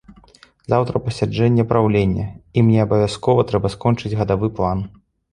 Заўтра пасяджэнне праўлення, і мне абавязкова трэба скончыць гадавы план.